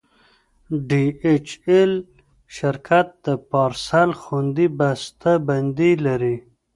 ډي ایچ ایل شرکت د پارسل خوندي بسته بندي لري.